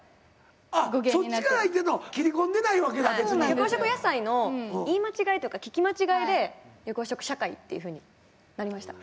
緑黄色野菜の言い間違いっていうか聞き間違いで緑黄色社会っていうふうになりました。